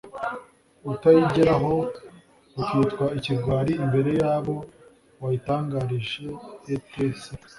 utayigeraho ukitwa ikigwari imbere y'abo wayitangarije etc..